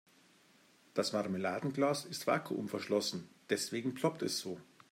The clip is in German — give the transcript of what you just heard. Das Marmeladenglas ist vakuumverschlossen, deswegen ploppt es so.